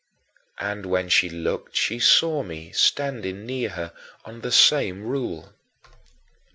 And when she looked she saw me standing near her on the same rule.